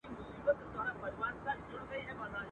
زه مي ټوله ژوندون ومه پوروړی.